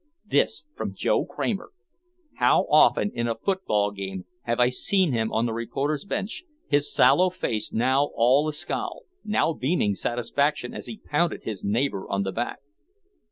This from Joe Kramer! How often, in a football game, have I seen him on the reporter's bench, his sallow face now all a scowl, now beaming satisfaction as he pounded his neighbor on the back.